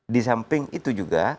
di samping itu juga